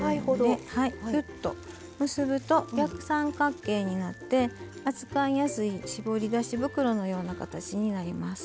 きゅっと結ぶと逆三角形になって扱いやすい絞り出し袋のような形になります。